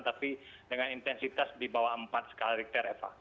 tapi dengan intensitas di bawah empat skala richter eva